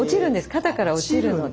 肩から落ちるんで。